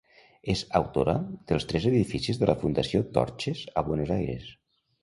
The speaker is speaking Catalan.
És autora dels tres edificis de la Fundació Torxes a Buenos Aires.